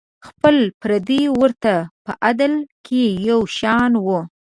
خپل پردي ورته په عدل کې یو شان وو.